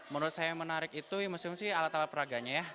menurut saya yang menarik itu museum sih alat alat peraganya ya